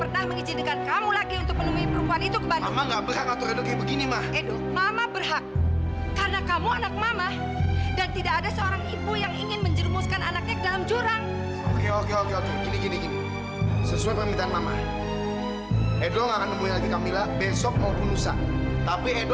dari pihak yang melakukan tes dna tersebut